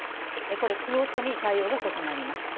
これ、区ごとに対応が異なります。